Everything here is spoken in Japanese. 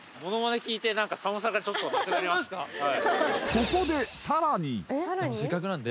ここでさらに！